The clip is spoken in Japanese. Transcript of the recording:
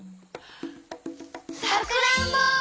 さくらんぼ！